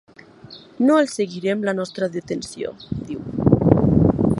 No els servirem la nostra detenció— diu.